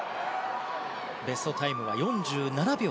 ベストタイムは４７秒３０。